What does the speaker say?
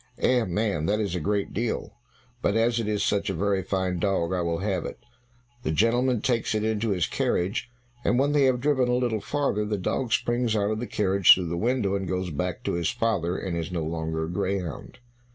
"Eh, man, that is a great deal, but as it is such a very fine dog I will have it." The gentleman takes it into his carriage, but when they have driven a little farther the dog springs out of the carriage through the window, and goes back to his father, and is no longer a greyhound.